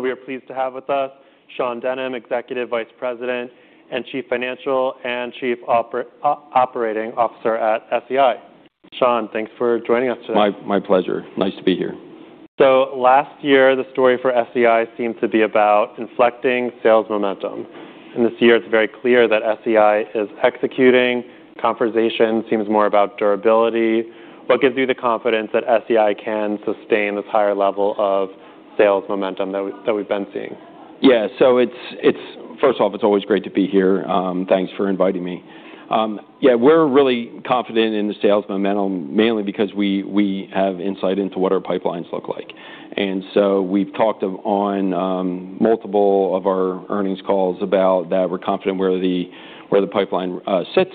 We are pleased to have with us Sean Denham, Executive Vice President and Chief Financial and Chief Operating Officer at SEI. Sean, thanks for joining us today. My pleasure. Nice to be here. Last year, the story for SEI seemed to be about inflecting sales momentum. This year, it's very clear that SEI is executing. Conversation seems more about durability. What gives you the confidence that SEI can sustain this higher level of sales momentum that we've been seeing? Yeah. First off, it's always great to be here. Thanks for inviting me. Yeah, we're really confident in the sales momentum, mainly because we have insight into what our pipelines look like. We've talked on multiple of our earnings calls about that we're confident where the pipeline sits.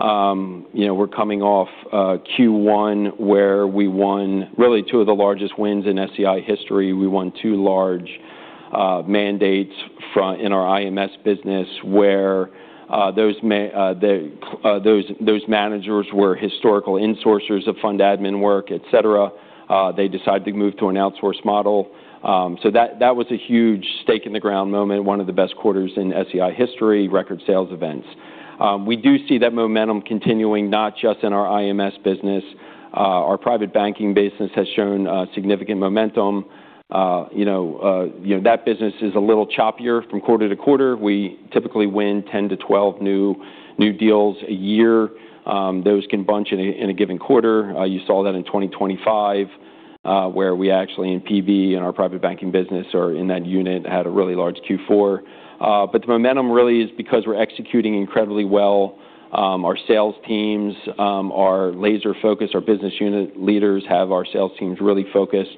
We're coming off Q1, where we won really two of the largest wins in SEI history. We won two large mandates in our IMS business, where those managers were historical insourcers of fund admin work, et cetera. They decided to move to an outsource model. That was a huge stake in the ground moment, one of the best quarters in SEI history, record sales events. We do see that momentum continuing, not just in our IMS business. Our Private Banking business has shown significant momentum. That business is a little choppier from quarter to quarter. We typically win 10 to 12 new deals a year. Those can bunch in a given quarter. You saw that in 2025, where we actually, in PB, in our Private Banking business, or in that unit, had a really large Q4. The momentum really is because we're executing incredibly well. Our sales teams are laser-focused. Our business unit leaders have our sales teams really focused.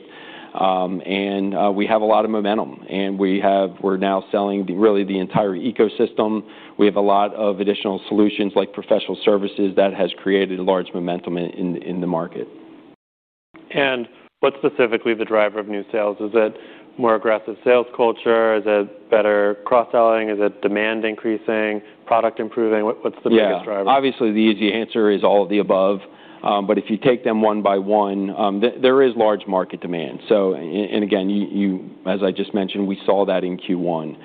We have a lot of momentum, and we're now selling really the entire ecosystem. We have a lot of additional solutions, like professional services, that has created a large momentum in the market. What's specifically the driver of new sales? Is it more aggressive sales culture? Is it better cross-selling? Is it demand increasing, product improving? What's the biggest driver? Yeah. Obviously, the easy answer is all of the above. If you take them one by one, there is large market demand. Again, as I just mentioned, we saw that in Q1.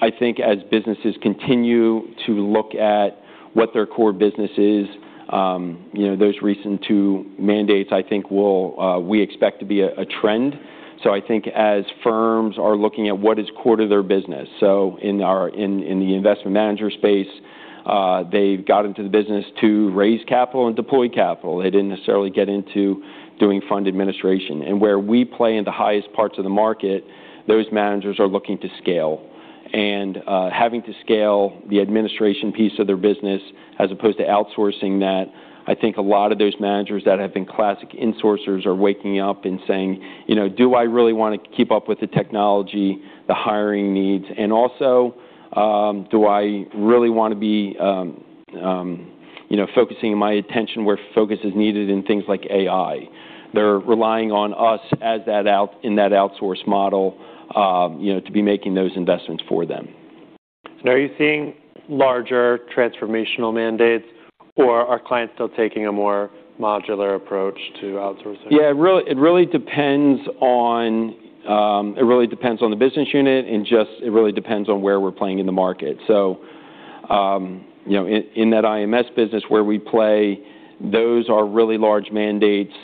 I think as businesses continue to look at what their core business is, those recent two mandates, I think, we expect to be a trend. I think as firms are looking at what is core to their business. In the Investment Managers space, they got into the business to raise capital and deploy capital. They didn't necessarily get into doing fund administration. Where we play in the highest parts of the market, those managers are looking to scale. Having to scale the administration piece of their business as opposed to outsourcing that, I think a lot of those managers that have been classic insourcers are waking up and saying, "Do I really want to keep up with the technology, the hiring needs?" Also, "Do I really want to be focusing my attention where focus is needed in things like AI?" They're relying on us in that outsource model to be making those investments for them. Are you seeing larger transformational mandates, or are clients still taking a more modular approach to outsourcing? Yeah, it really depends on the business unit, and just it really depends on where we're playing in the market. In that IMS business where we play, those are really large mandates,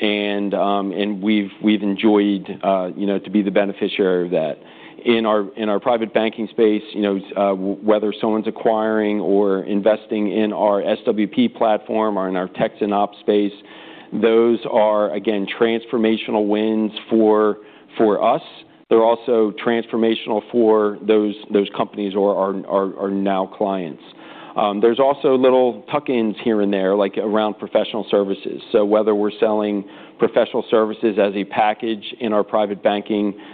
and we've enjoyed to be the beneficiary of that. In our Private Banking space, whether someone's acquiring or investing in our SWP platform or in our tech and ops space, those are, again, transformational wins for us. They're also transformational for those companies who are now clients. There's also little tuck-ins here and there, like around professional services. Whether we're selling professional services as a package in our Private Banking business unit,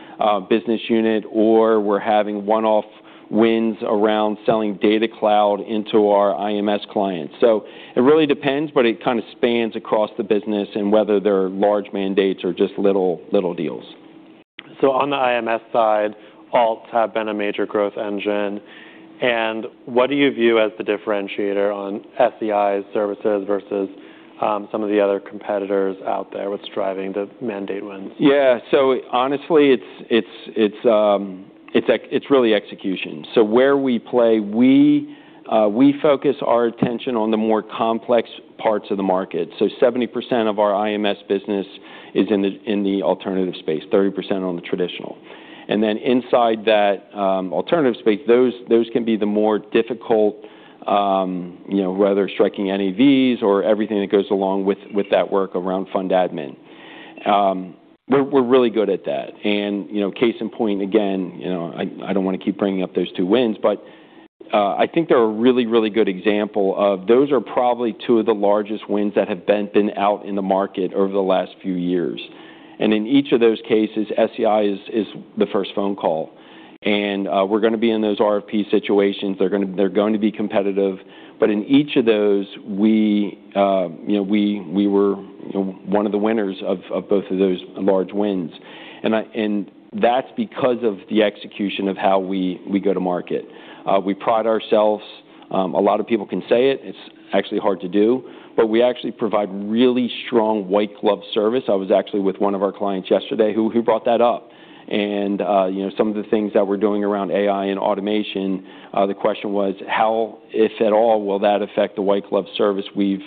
or we're having one-off wins around selling Data Cloud into our IMS clients. It really depends, but it kind of spans across the business in whether they're large mandates or just little deals. On the IMS side, alts have been a major growth engine. What do you view as the differentiator on SEI's services versus some of the other competitors out there? What's driving the mandate wins? Yeah. Honestly, it's really execution. Where we play, we focus our attention on the more complex parts of the market. 70% of our IMS business is in the alternative space, 30% on the traditional. Inside that alternative space, those can be the more difficult, whether striking NAVs or everything that goes along with that work around fund admin. We're really good at that. Case in point, again, I don't want to keep bringing up those two wins, but I think they're a really, really good example of those are probably two of the largest wins that have been out in the market over the last few years. In each of those cases, SEI is the first phone call. We're going to be in those RFP situations. They're going to be competitive. In each of those, we were one of the winners of both of those large wins. That's because of the execution of how we go to market. We pride ourselves, a lot of people can say it's actually hard to do, but we actually provide really strong white glove service. I was actually with one of our clients yesterday who brought that up and some of the things that we're doing around AI and automation. The question was how, if at all, will that affect the white glove service you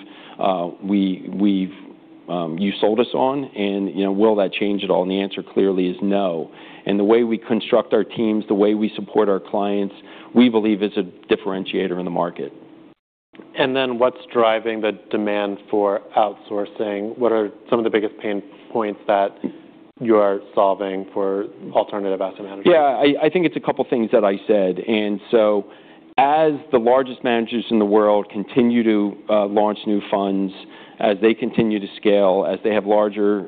sold us on, and will that change at all? The answer clearly is no. The way we construct our teams, the way we support our clients, we believe is a differentiator in the market. What's driving the demand for outsourcing? What are some of the biggest pain points that you are solving for alternative asset managers? Yeah, I think it's a couple things that I said. As the largest managers in the world continue to launch new funds, as they continue to scale, as they have larger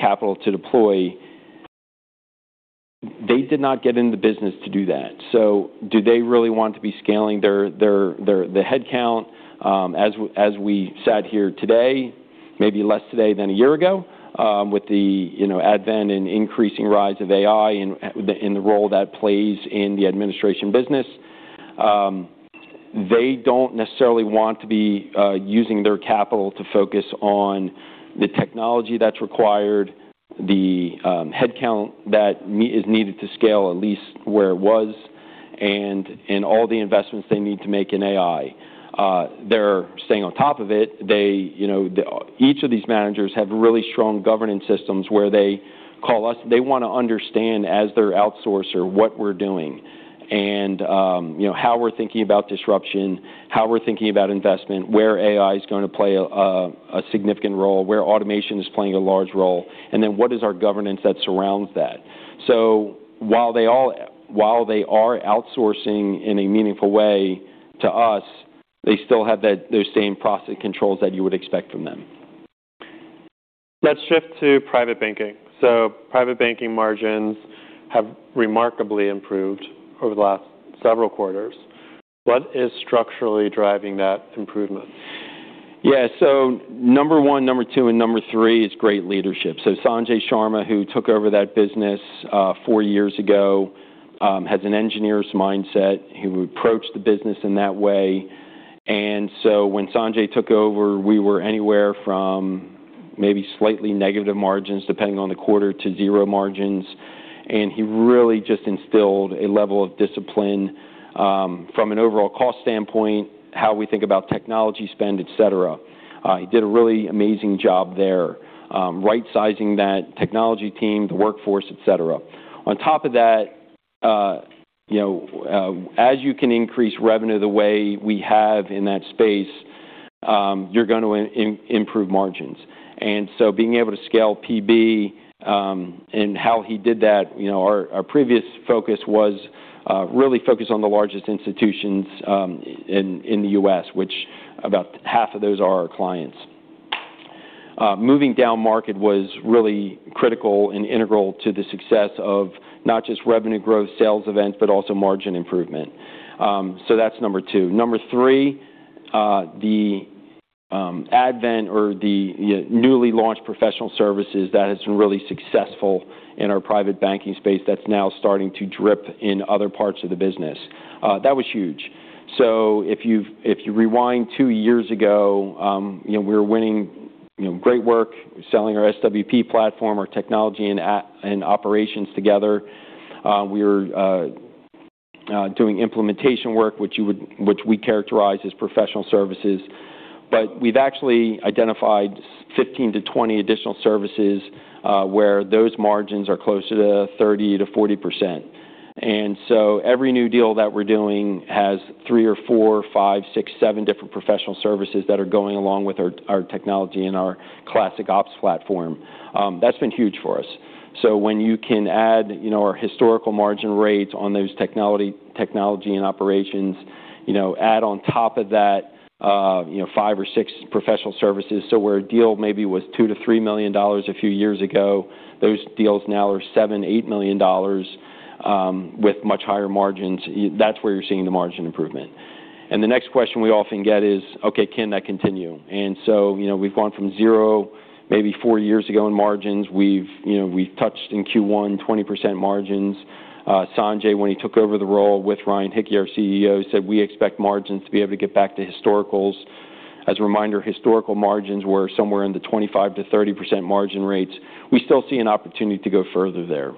capital to deploy, they did not get in the business to do that. Do they really want to be scaling the headcount? As we sat here today, maybe less today than a year ago, with the advent and increasing rise of AI and the role that plays in the administration business. They don't necessarily want to be using their capital to focus on the technology that's required, the headcount that is needed to scale at least where it was, and all the investments they need to make in AI. They're staying on top of it. Each of these managers have really strong governance systems where they call us. They want to understand, as their outsourcer, what we're doing and how we're thinking about disruption, how we're thinking about investment, where AI is going to play a significant role, where automation is playing a large role, and then what is our governance that surrounds that. While they are outsourcing in a meaningful way to us, they still have those same process controls that you would expect from them. Let's shift to Private Banking. Private banking margins have remarkably improved over the last several quarters. What is structurally driving that improvement? Number one, number two, and number three is great leadership. Sanjay Sharma, who took over that business four years ago, has an engineer's mindset. He approached the business in that way. When Sanjay took over, we were anywhere from maybe slightly negative margins, depending on the quarter, to zero margins. He really just instilled a level of discipline from an overall cost standpoint, how we think about technology spend, et cetera. He did a really amazing job there right-sizing that technology team, the workforce, et cetera. On top of that, as you can increase revenue the way we have in that space, you're going to improve margins. Being able to scale PB, and how he did that, our previous focus was really focused on the largest institutions in the U.S., which about half of those are our clients. Moving down market was really critical and integral to the success of not just revenue growth sales events, but also margin improvement. That's number two. Number three, the advent or the newly launched professional services that has been really successful in our Private Banking space that's now starting to drip in other parts of the business. That was huge. If you rewind two years ago, we were winning great work selling our SWP platform, our technology, and operations together. We were doing implementation work, which we characterize as professional services. But we've actually identified 15-20 additional services, where those margins are closer to 30%-40%. Every new deal that we're doing has three or four, five, six, seven different professional services that are going along with our technology and our classic ops platform. That's been huge for us. When you can add our historical margin rates on those technology and operations, add on top of that five or six professional services. Where a deal maybe was $2 million-$3 million a few years ago, those deals now are $7 million-$8 million with much higher margins. That's where you're seeing the margin improvement. The next question we often get is, "Okay, can that continue?" We've gone from zero maybe four years ago in margins. We've touched in Q1 20% margins. Sanjay, when he took over the role with Ryan Hicke, our CEO, said we expect margins to be able to get back to historicals. As a reminder, historical margins were somewhere in the 25%-30% margin rates. We still see an opportunity to go further there.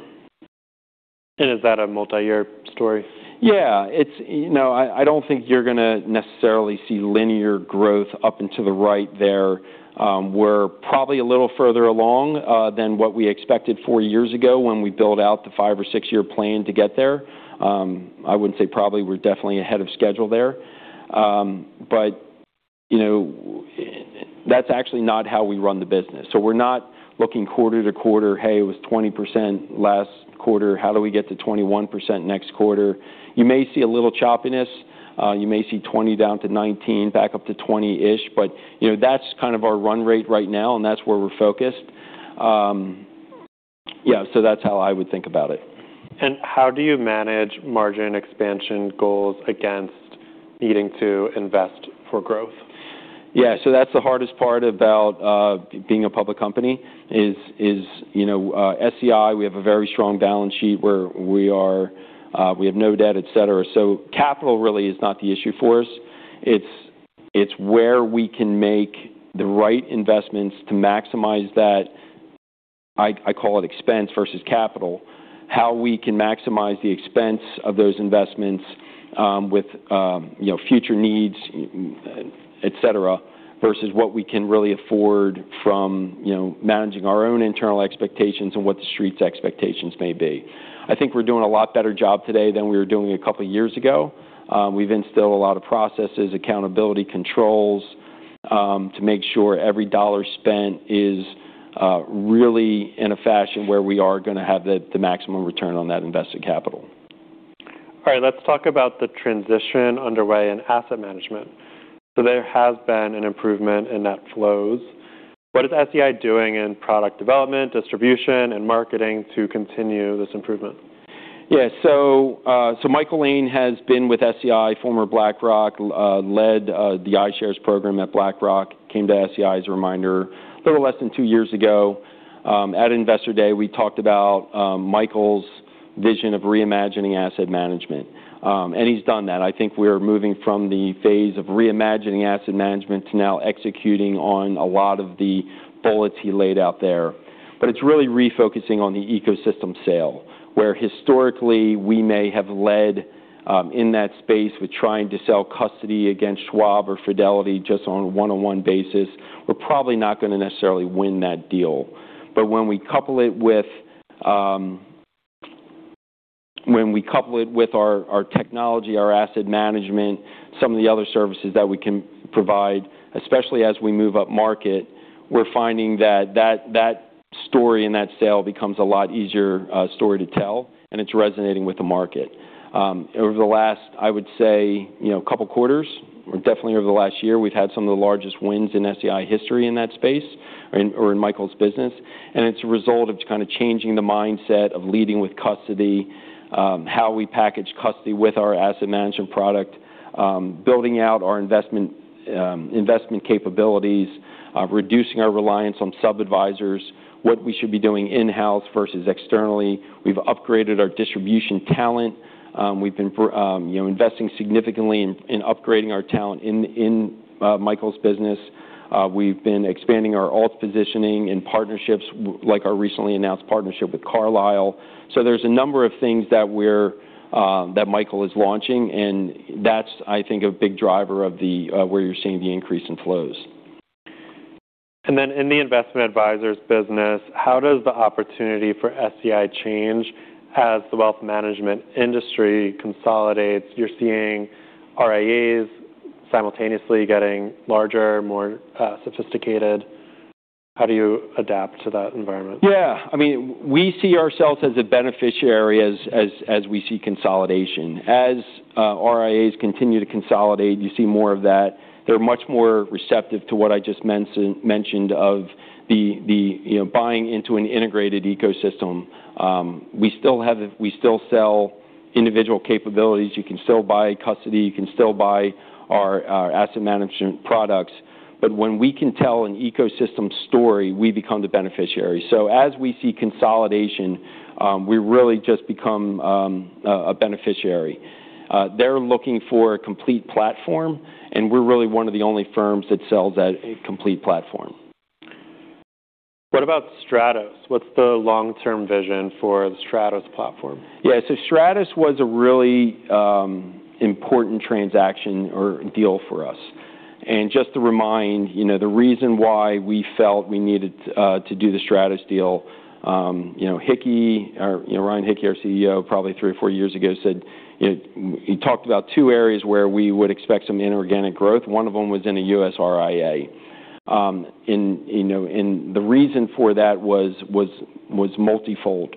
Is that a multi-year story? I don't think you're going to necessarily see linear growth up and to the right there. We're probably a little further along than what we expected four years ago when we built out the five or six-year plan to get there. I wouldn't say probably, we're definitely ahead of schedule there. That's actually not how we run the business. We're not looking quarter to quarter, "Hey, it was 20% last quarter. How do we get to 21% next quarter?" You may see a little choppiness. You may see 20% down to 19% back up to 20-ish, but that's kind of our run rate right now, and that's where we're focused. That's how I would think about it. How do you manage margin expansion goals against needing to invest for growth? That's the hardest part about being a public company is SEI, we have a very strong balance sheet where we have no debt, et cetera. Capital really is not the issue for us. It's where we can make the right investments to maximize that, I call it expense versus capital. How we can maximize the expense of those investments, with future needs, et cetera, versus what we can really afford from managing our own internal expectations and what the street's expectations may be. I think we're doing a lot better job today than we were doing a couple of years ago. We've instilled a lot of processes, accountability controls, to make sure every dollar spent is really in a fashion where we are going to have the maximum return on that invested capital. Let's talk about the transition underway in asset management. There has been an improvement in net flows. What is SEI doing in product development, distribution, and marketing to continue this improvement? Yeah. Michael Lane has been with SEI, former BlackRock, led the iShares program at BlackRock, came to SEI as a reminder little less than two years ago. At Investor Day, we talked about Michael's vision of reimagining asset management. He's done that. I think we're moving from the phase of reimagining asset management to now executing on a lot of the bullets he laid out there. It's really refocusing on the ecosystem sale, where historically we may have led in that space with trying to sell custody against Schwab or Fidelity just on a one-on-one basis. We're probably not going to necessarily win that deal. When we couple it with our technology, our asset management, some of the other services that we can provide, especially as we move up market, we're finding that story and that sale becomes a lot easier story to tell, and it's resonating with the market. Over the last, I would say, couple quarters, or definitely over the last year, we've had some of the largest wins in SEI history in that space or in Michael's business. It's a result of kind of changing the mindset of leading with custody, how we package custody with our asset management product, building out our investment capabilities, reducing our reliance on sub-advisors, what we should be doing in-house versus externally. We've upgraded our distribution talent. We've been investing significantly in upgrading our talent in Michael's business. We've been expanding our alt positioning and partnerships, like our recently announced partnership with Carlyle. There's a number of things that Michael is launching, and that's, I think, a big driver of where you're seeing the increase in flows. In the Investment Advisors business, how does the opportunity for SEI change as the wealth management industry consolidates? You're seeing RIAs simultaneously getting larger, more sophisticated. How do you adapt to that environment? Yeah. We see ourselves as a beneficiary as we see consolidation. As RIAs continue to consolidate, you see more of that. They're much more receptive to what I just mentioned of the buying into an integrated ecosystem. We still sell individual capabilities. You can still buy custody. You can still buy our asset management products. When we can tell an ecosystem story, we become the beneficiary. As we see consolidation, we really just become a beneficiary. They're looking for a complete platform, and we're really one of the only firms that sells that complete platform. What about Stratos? What's the long-term vision for the Stratos platform? Yeah. Stratos was a really important transaction or deal for us. Just to remind, the reason why we felt we needed to do the Stratos deal, Ryan Hicke, our CEO, probably three or four years ago, he talked about two areas where we would expect some inorganic growth. One of them was in a U.S. RIA. The reason for that was multifold.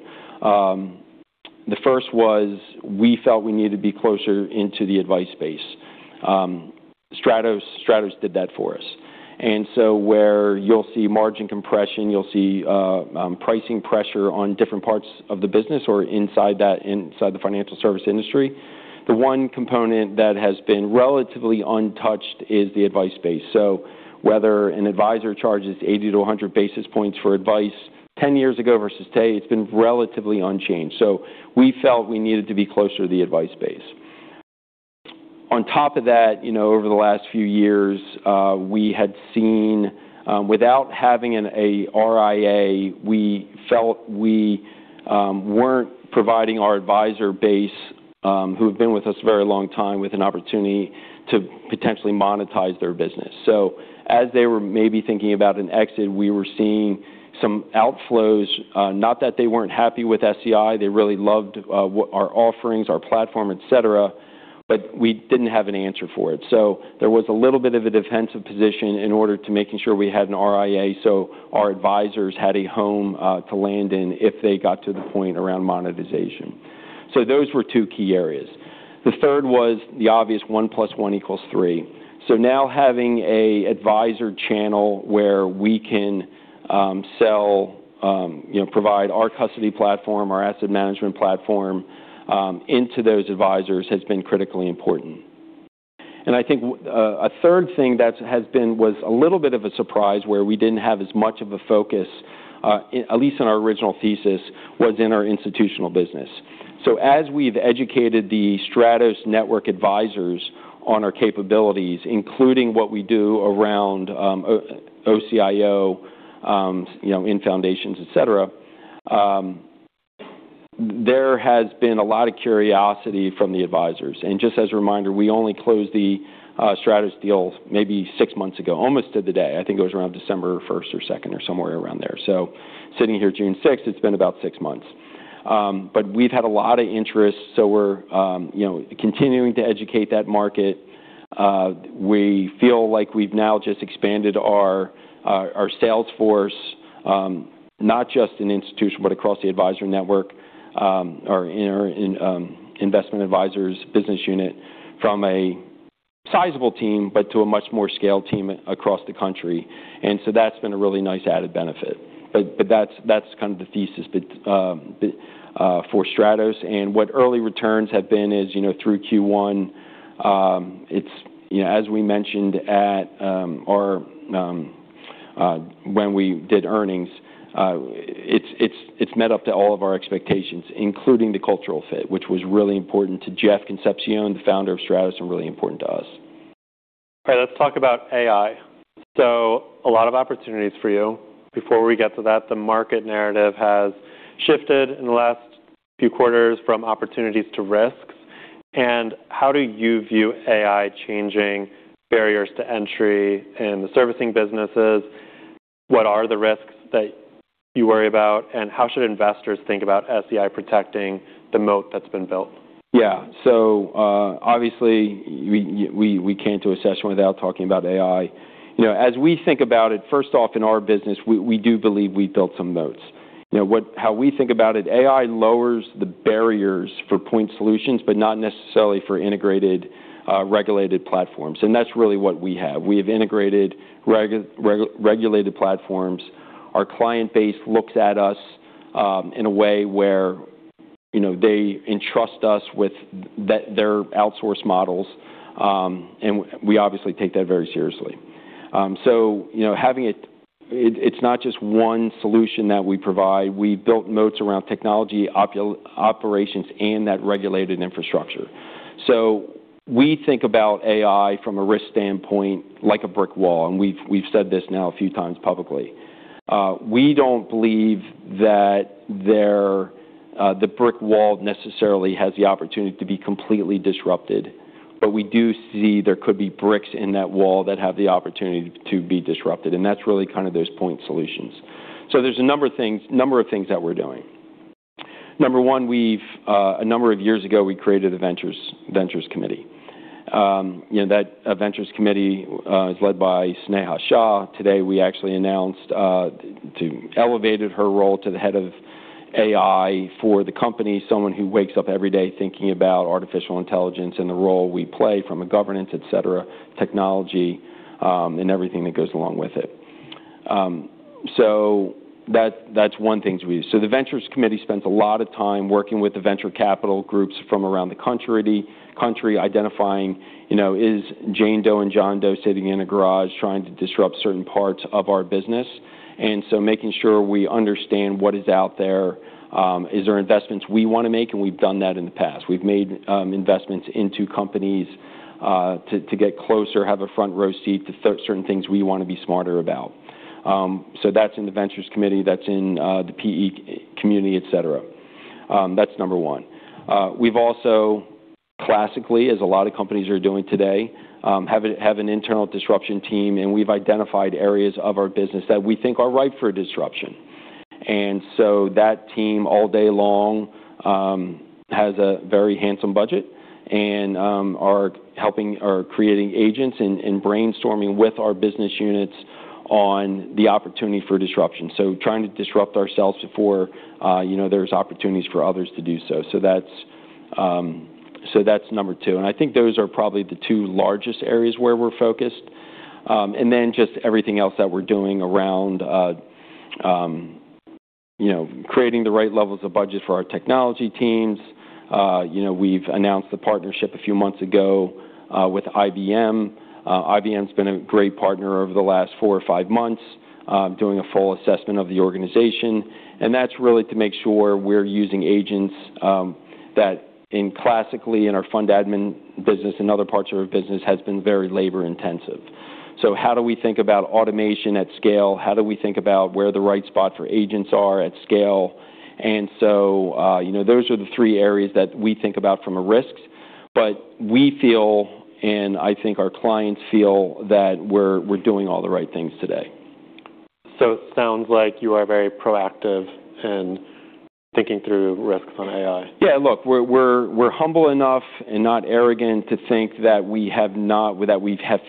The first was we felt we needed to be closer into the advice space. Stratos did that for us. Where you'll see margin compression, you'll see pricing pressure on different parts of the business or inside the financial service industry. The one component that has been relatively untouched is the advice space. Whether an advisor charges 80 to 100 basis points for advice 10 years ago versus today, it's been relatively unchanged. We felt we needed to be closer to the advice space. On top of that, over the last few years, we had seen, without having an RIA, we felt we weren't providing our advisor base, who have been with us a very long time, with an opportunity to potentially monetize their business. As they were maybe thinking about an exit, we were seeing some outflows. Not that they weren't happy with SEI. They really loved our offerings, our platform, et cetera, but we didn't have an answer for it. There was a little bit of a defensive position in order to making sure we had an RIA so our advisors had a home to land in if they got to the point around monetization. Those were two key areas. The third was the obvious one plus one equals three. Now having an advisor channel where we can sell, provide our custody platform, our asset management platform into those advisors has been critically important. And I think a third thing that was a little bit of a surprise where we didn't have as much of a focus, at least in our original thesis, was in our institutional business. As we've educated the Stratos network advisors on our capabilities, including what we do around OCIO, in foundations, et cetera, there has been a lot of curiosity from the advisors. Just as a reminder, we only closed the Stratos deal maybe six months ago, almost to the day. I think it was around December 1st or 2nd, or somewhere around there. Sitting here, June 6th, it's been about six months. We've had a lot of interest, so we're continuing to educate that market. We feel like we've now just expanded our sales force, not just in institution, but across the advisory network, our Investment Advisors business unit from a sizable team, but to a much more scaled team across the country. That's been a really nice added benefit. That's kind of the thesis for Stratos. What early returns have been is through Q1, as we mentioned when we did earnings, it's met up to all of our expectations, including the cultural fit, which was really important to Jeff Concepcion, the founder of Stratos, and really important to us. All right. Let's talk about AI. A lot of opportunities for you. Before we get to that, the market narrative has shifted in the last few quarters from opportunities to risks. How do you view AI changing barriers to entry in the servicing businesses? What are the risks that you worry about, and how should investors think about SEI protecting the moat that's been built? Obviously, we can't do a session without talking about AI. As we think about it, first off, in our business, we do believe we built some moats. How we think about it, AI lowers the barriers for point solutions, but not necessarily for integrated, regulated platforms. That's really what we have. We have integrated regulated platforms. Our client base looks at us in a way where they entrust us with their outsource models. We obviously take that very seriously. It's not just one solution that we provide. We built moats around technology operations and that regulated infrastructure. We think about AI from a risk standpoint like a brick wall, and we've said this now a few times publicly. We don't believe that the brick wall necessarily has the opportunity to be completely disrupted. We do see there could be bricks in that wall that have the opportunity to be disrupted, and that's really kind of those point solutions. There's a number of things that we're doing. Number one, a number of years ago, we created a Ventures Committee. That Ventures Committee is led by Sneha Shah. Today, we actually announced to elevate her role to the head of AI for the company, someone who wakes up every day thinking about artificial intelligence and the role we play from a governance, et cetera, technology, and everything that goes along with it. That's one thing we use. The Ventures Committee spends a lot of time working with the venture capital groups from around the country, identifying is Jane Doe and John Doe sitting in a garage trying to disrupt certain parts of our business? Making sure we understand what is out there. Is there investments we want to make? We've done that in the past. We've made investments into companies, to get closer, have a front row seat to certain things we want to be smarter about. That's in the Ventures Committee, that's in the PE community, et cetera. That's number one. We've also, classically, as a lot of companies are doing today, have an internal disruption team, we've identified areas of our business that we think are ripe for disruption. That team all day long, has a very handsome budget and are helping or creating agents and brainstorming with our business units on the opportunity for disruption. Trying to disrupt ourselves before there's opportunities for others to do so. That's number two. I think those are probably the two largest areas where we're focused. Then just everything else that we're doing around creating the right levels of budget for our technology teams. We've announced the partnership a few months ago, with IBM. IBM's been a great partner over the last four or five months, doing a full assessment of the organization. That's really to make sure we're using agents, that in classically in our fund admin business and other parts of our business has been very labor-intensive. How do we think about automation at scale? How do we think about where the right spot for agents are at scale? Those are the three areas that we think about from a risk. We feel, and I think our clients feel that we're doing all the right things today. It sounds like you are very proactive in thinking through risks on AI. Yeah. Look, we're humble enough and not arrogant to think that we have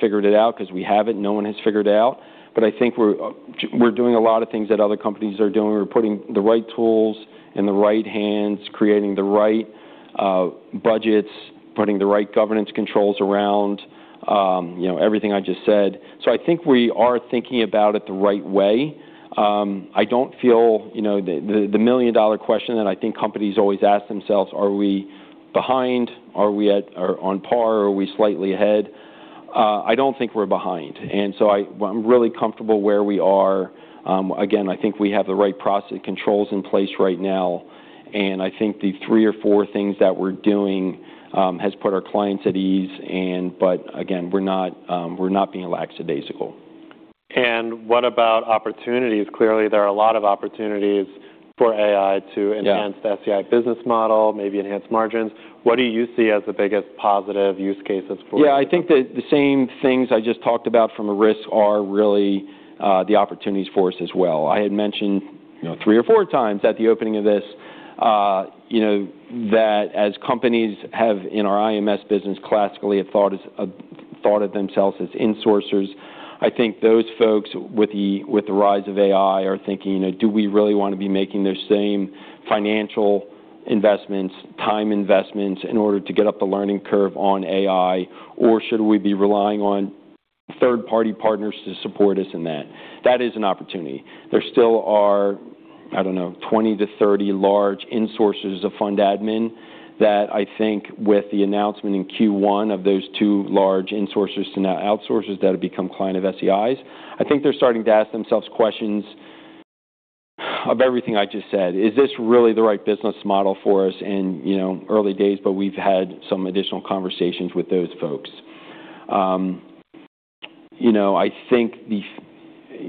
figured it out because we haven't. No one has figured it out. I think we're doing a lot of things that other companies are doing. We're putting the right tools in the right hands, creating the right budgets, putting the right governance controls around everything I just said. I think we are thinking about it the right way. I don't feel the million-dollar question that I think companies always ask themselves, are we behind? Are we on par? Are we slightly ahead? I don't think we're behind, and so I'm really comfortable where we are. Again, I think we have the right process controls in place right now, and I think the three or four things that we're doing has put our clients at ease. Again, we're not being lackadaisical. What about opportunities? Clearly, there are a lot of opportunities for AI to- Yeah ...enhance the SEI business model, maybe enhance margins. What do you see as the biggest positive use cases for Yeah, I think that the same things I just talked about from a risk are really the opportunities for us as well. I had mentioned three or four times at the opening of this, that as companies have, in our IMS business, classically have thought of themselves as insourcers. I think those folks with the rise of AI are thinking, do we really want to be making those same financial investments, time investments in order to get up the learning curve on AI, or should we be relying on third-party partners to support us in that? That is an opportunity. There still are, I don't know, 20 to 30 large insourcers of fund admin that I think with the announcement in Q1 of those two large insourcers to now outsourcers that have become client of SEI's. I think they're starting to ask themselves questions of everything I just said, "Is this really the right business model for us?" Early days, but we've had some additional conversations with those folks. I think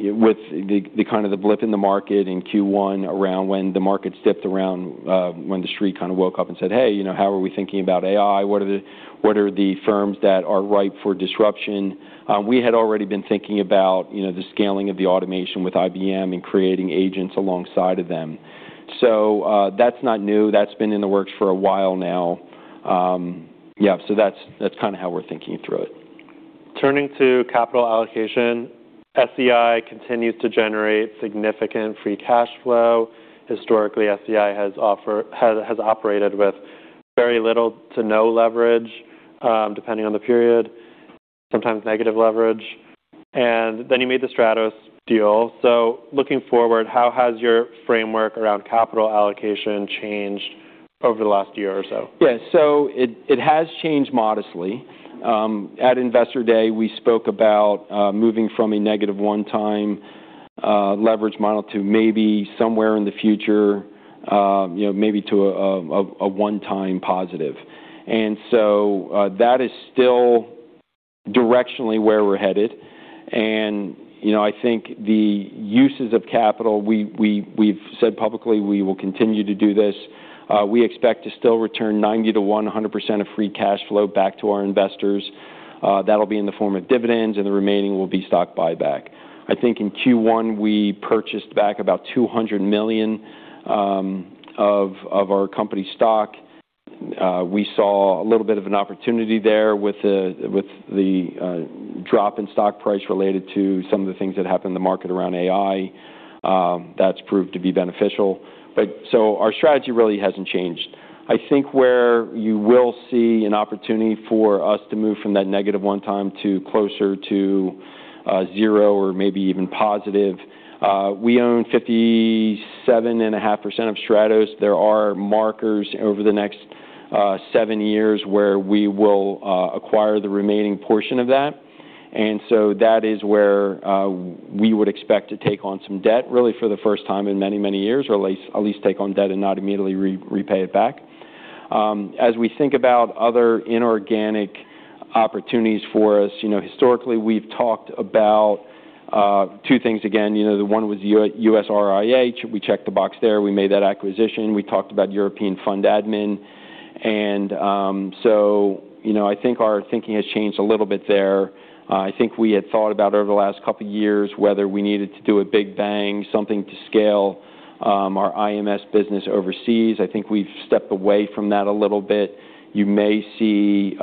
with the kind of the blip in the market in Q1 around when the market dipped around when the street kind of woke up and said, "Hey, how are we thinking about AI? What are the firms that are ripe for disruption?" We had already been thinking about the scaling of the automation with IBM and creating agents alongside them. That's not new. That's been in the works for a while now. Yeah, that's how we're thinking through it. Turning to capital allocation, SEI continues to generate significant free cash flow. Historically, SEI has operated with very little to no leverage, depending on the period, sometimes negative leverage. Then you made the Stratos deal. Looking forward, how has your framework around capital allocation changed over the last year or so? Yeah. It has changed modestly. At Investor Day, we spoke about moving from a -1x leverage model to maybe somewhere in the future, maybe to a 1x positive. That is still directionally where we're headed. I think the uses of capital, we've said publicly we will continue to do this. We expect to still return 90%-100% of free cash flow back to our investors. That'll be in the form of dividends, and the remaining will be stock buyback. I think in Q1, we purchased back about $200 million of our company stock. We saw a little bit of an opportunity there with the drop in stock price related to some of the things that happened in the market around AI. That's proved to be beneficial. Our strategy really hasn't changed. I think where you will see an opportunity for us to move from that -1x to closer to zero or maybe even positive. We own 57.5% of Stratos. There are markers over the next seven years where we will acquire the remaining portion of that. That is where we would expect to take on some debt, really for the first time in many, many years, or at least take on debt and not immediately repay it back. As we think about other inorganic opportunities for us, historically we've talked about two things again. One was US RIA. We checked the box there. We made that acquisition. We talked about European fund admin. I think our thinking has changed a little bit there. I think we had thought about over the last couple of years whether we needed to do a big bang, something to scale our IMS business overseas. I think we've stepped away from that a little bit. You may see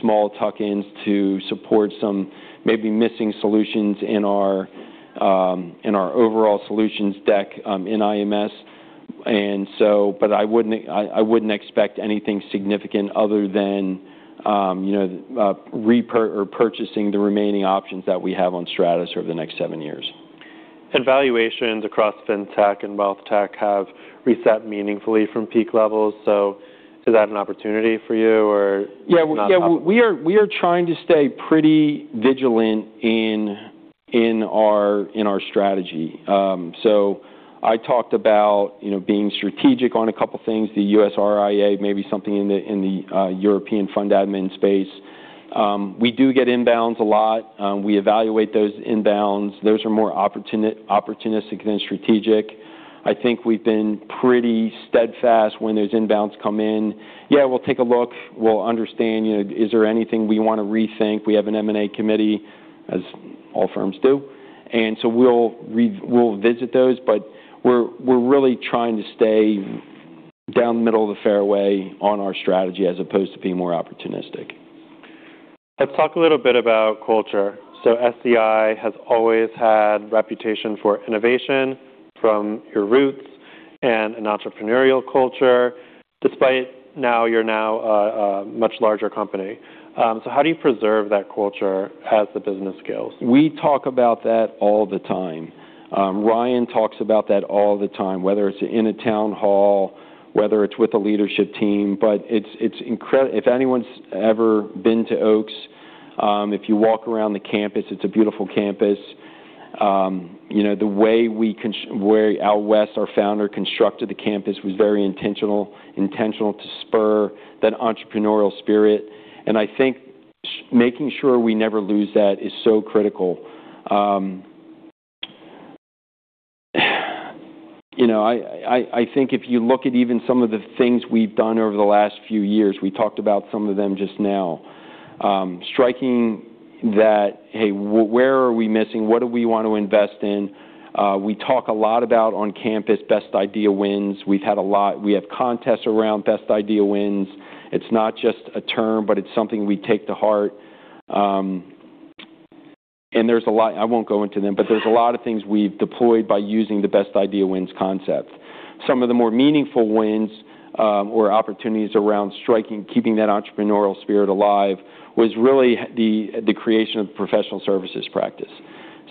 small tuck-ins to support some maybe missing solutions in our overall solutions deck in IMS. I wouldn't expect anything significant other than purchasing the remaining options that we have on Stratos over the next seven years. Valuations across fintech and wealth tech have reset meaningfully from peak levels. Is that an opportunity for you, or not? Yeah. We are trying to stay pretty vigilant in our strategy. I talked about being strategic on a couple of things. The US RIA, maybe something in the European fund admin space. We do get inbounds a lot. We evaluate those inbounds. Those are more opportunistic than strategic. I think we've been pretty steadfast when those inbounds come in. Yeah, we'll take a look. We'll understand, is there anything we want to rethink? We have an M&A committee, as all firms do. We'll visit those, we're really trying to stay down the middle of the fairway on our strategy as opposed to being more opportunistic. Let's talk a little bit about culture. SEI has always had reputation for innovation from your roots and an entrepreneurial culture, despite you're now a much larger company. How do you preserve that culture as the business scales? We talk about that all the time. Ryan talks about that all the time, whether it's in a town hall, whether it's with the leadership team. If anyone's ever been to Oaks, if you walk around the campus, it's a beautiful campus. The way Al West, our founder, constructed the campus was very intentional. Intentional to spur that entrepreneurial spirit, I think making sure we never lose that is so critical. I think if you look at even some of the things we've done over the last few years, we talked about some of them just now. Striking that, "Hey, where are we missing? What do we want to invest in?" We talk a lot about on-campus best idea wins. We have contests around best idea wins. It's not just a term, it's something we take to heart. I won't go into them, there's a lot of things we've deployed by using the best idea wins concept. Some of the more meaningful wins, or opportunities around striking, keeping that entrepreneurial spirit alive, was really the creation of professional services practice.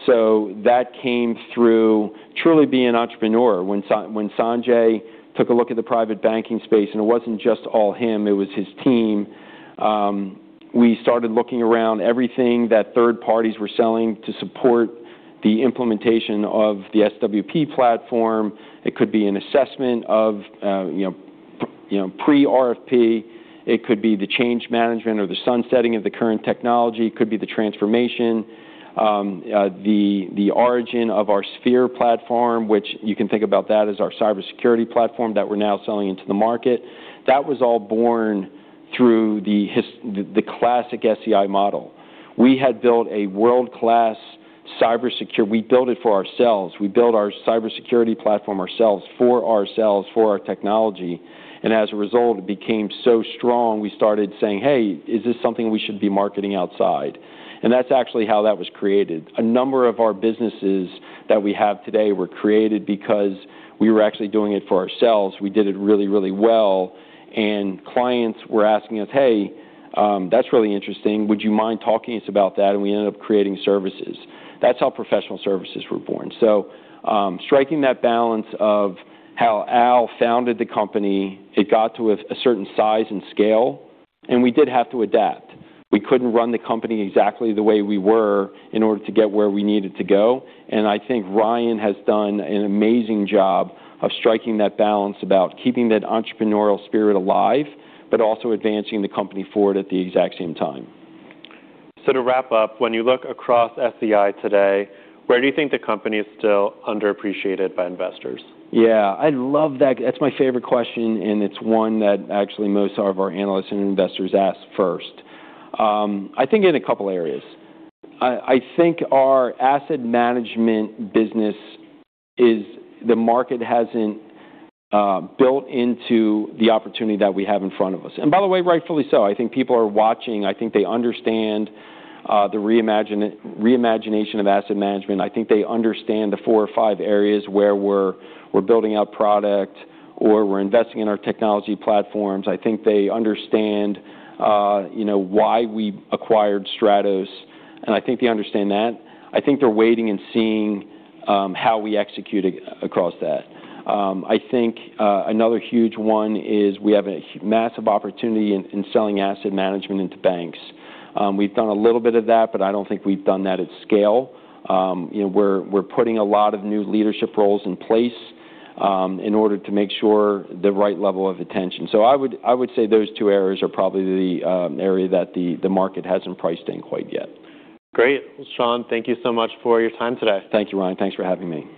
That came through truly being an entrepreneur. When Sanjay took a look at the Private Banking space, it wasn't just all him, it was his team, we started looking around everything that third parties were selling to support the implementation of the SWP platform. It could be an assessment of pre-RFP. It could be the change management or the sunsetting of the current technology. It could be the transformation. The origin of our Sphere platform, which you can think about that as our cybersecurity platform that we're now selling into the market, that was all born through the classic SEI model. We had built a world-class cybersecurity. We built it for ourselves. We built our cybersecurity platform ourselves for ourselves, for our technology, as a result, it became so strong, we started saying, "Hey, is this something we should be marketing outside?" That's actually how that was created. A number of our businesses that we have today were created because we were actually doing it for ourselves. We did it really, really well, clients were asking us, "Hey, that's really interesting. Would you mind talking to us about that?" We ended up creating services. That's how professional services were born. Striking that balance of how Al founded the company, it got to a certain size and scale, we did have to adapt. We couldn't run the company exactly the way we were in order to get where we needed to go. I think Ryan has done an amazing job of striking that balance about keeping that entrepreneurial spirit alive, but also advancing the company forward at the exact same time. To wrap up, when you look across SEI today, where do you think the company is still underappreciated by investors? Yeah. I love that. That's my favorite question, and it's one that actually most of our analysts and investors ask first. I think in a couple areas. I think our asset management business is the market hasn't built into the opportunity that we have in front of us. By the way, rightfully so. I think people are watching. I think they understand the re-imagination of asset management. I think they understand the four or five areas where we're building out product or we're investing in our technology platforms. I think they understand why we acquired Stratos, and I think they understand that. I think they're waiting and seeing how we execute across that. I think another huge one is we have a massive opportunity in selling asset management into banks. We've done a little bit of that, but I don't think we've done that at scale. We're putting a lot of new leadership roles in place in order to make sure the right level of attention. I would say those two areas are probably the area that the market hasn't priced in quite yet. Great. Well, Sean, thank you so much for your time today. Thank you, Ryan. Thanks for having me.